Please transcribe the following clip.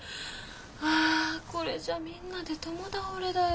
ああこれじゃみんなで共倒れだよ。